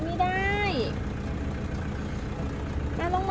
กินข้าวขอบคุณครับ